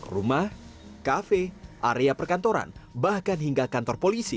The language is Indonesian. rumah kafe area perkantoran bahkan hingga kantor polisi